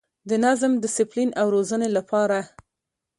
د نظم، ډسپلین او روزنې لپاره